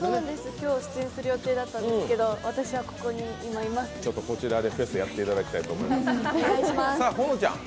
今日出演する予定だったんですけど、こちらでフェスやっていただきたいと思います。